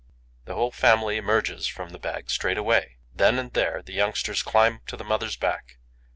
The whole family emerges from the bag straightway. Then and there, the youngsters climb to the mother's back.